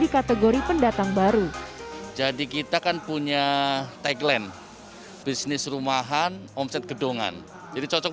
kategori pendatang baru jadi kita kan punya tagline bisnis rumahan omset gedongan jadi cocok